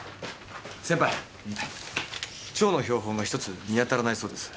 先輩蝶の標本が１つ見当たらないそうです。